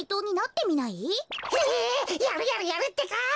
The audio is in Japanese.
やるやるやるってか！